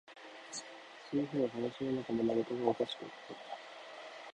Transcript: その日は林の中も、何かがおかしかった